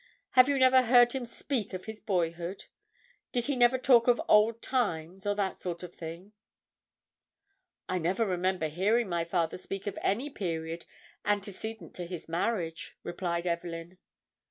Have you never heard him speak of his boyhood? Did he never talk of old times, or that sort of thing?" "I never remember hearing my father speak of any period antecedent to his marriage," replied Evelyn.